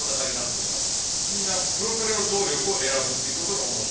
みんなプロペラの動力を選ぶっていうことの面白さ。